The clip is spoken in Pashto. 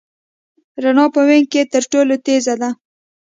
رڼا په وېګ کي تر ټولو تېزه ده.